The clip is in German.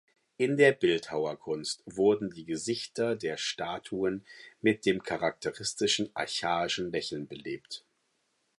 In der Bildhauerkunst wurden die Gesichter der Statuen mit dem charakteristischen „archaischen Lächeln“ belebt.